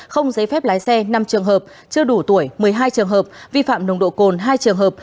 không giấy phép lái xe năm trường hợp chưa đủ tuổi một mươi hai trường hợp vi phạm nồng độ cồn hai trường hợp